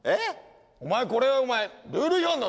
お前これはルール違反だぞ。